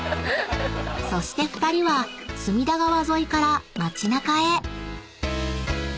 ［そして２人は隅田川沿いから街なかへ］